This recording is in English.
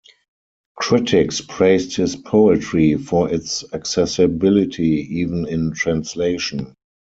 Critics praised his poetry for its accessibility, even in translation.